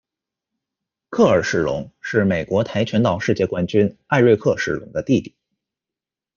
克尔·史隆是美国跆拳道世界冠军艾瑞克·史隆的弟弟。